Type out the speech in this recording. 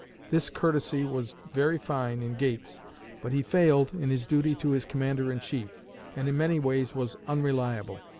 This courtesy was very fine in Gates, but he failed in his duty to his Commander in Chief, and in many ways was unreliable.